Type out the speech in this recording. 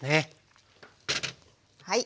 はい。